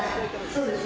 そうです